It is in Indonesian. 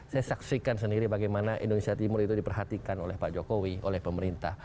saya saksikan sendiri bagaimana indonesia timur itu diperhatikan oleh pak jokowi oleh pemerintah